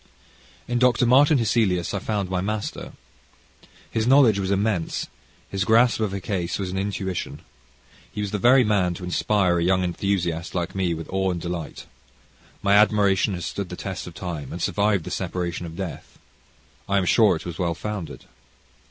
In Dr. Martin Hesselius, I found my master. His knowledge was immense, his grasp of a case was an intuition. He was the very man to inspire a young enthusiast, like me, with awe and delight. My admiration has stood the test of time and survived the separation of death. I am sure it was well founded.